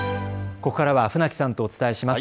ここからは船木さんとお伝えします。